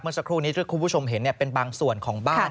สักครู่นี้ที่คุณผู้ชมเห็นเป็นบางส่วนของบ้าน